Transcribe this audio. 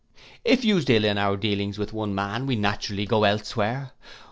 'If used ill in our dealings with one man, we naturally go elsewhere.